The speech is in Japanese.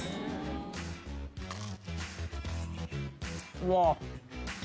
うわ。